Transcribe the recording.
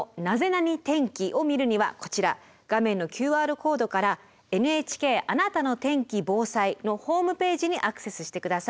ナニ？天気」を見るにはこちら画面のＱＲコードから「ＮＨＫあなたの天気・防災」のホームページにアクセスして下さい。